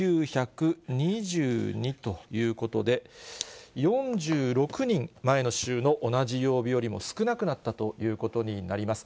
６９２２ということで、４６人、前の週の同じ曜日よりも少なくなったということになります。